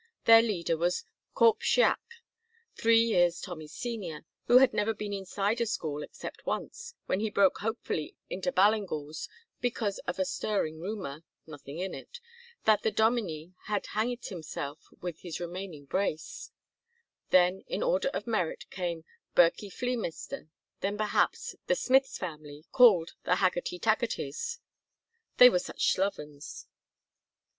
Their leader was Corp Shiach, three years Tommy's senior, who had never been inside a school except once, when he broke hopefully into Ballingall's because of a stirring rumor (nothing in it) that the dominie had hangit himself with his remaining brace; then in order of merit came Birkie Fleemister; then, perhaps, the smith's family, called the Haggerty Taggertys, they were such slovens.